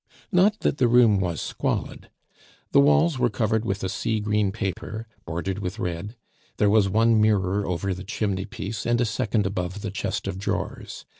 Not that the room was squalid. The walls were covered with a sea green paper, bordered with red; there was one mirror over the chimney piece, and a second above the chest of drawers.